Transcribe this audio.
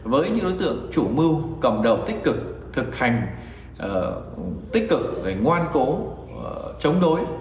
với những đối tượng chủ mưu cầm đầu tích cực thực hành tích cực ngoan cố chống đối